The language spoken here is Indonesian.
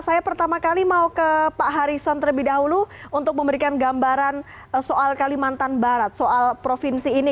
saya pertama kali mau ke pak harison terlebih dahulu untuk memberikan gambaran soal kalimantan barat soal provinsi ini